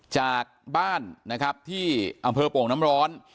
จากบ้านนะครับที่อำเภอโป่งน้ำร้อน